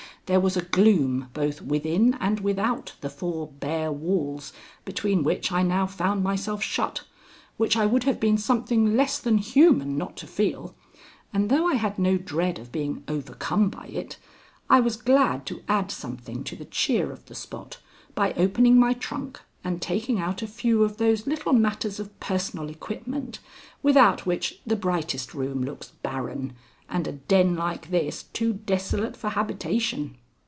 There was a gloom both within and without the four bare walls between which I now found myself shut, which I would have been something less than human not to feel, and though I had no dread of being overcome by it, I was glad to add something to the cheer of the spot by opening my trunk and taking out a few of those little matters of personal equipment without which the brightest room looks barren and a den like this too desolate for habitation.